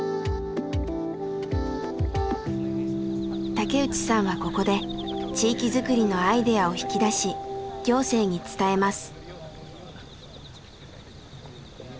竹内さんはここで地域づくりのアイデアを引き出し行政に伝えます。